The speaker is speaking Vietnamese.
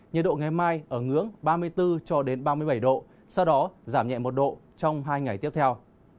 nhiệt độ ngày mai ở ngưỡng ba mươi bốn cho đến ba mươi bảy độ sau đó giảm nhẹ một độ trong hai ngày tiếp theo